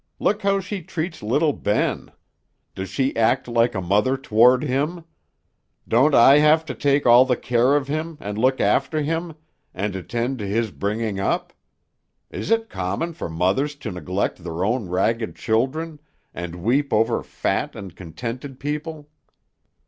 Look how she treats little Ben! Does she act like a mother toward him? Don't I have to take all the care of him, and look after him, and attend to his bringing up? Is it common for mothers to neglect their own ragged children, and weep over fat and contented people?